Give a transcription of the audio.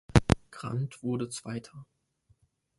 Grant wurde Zweiter.